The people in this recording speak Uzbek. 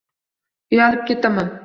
Uyalib ketaman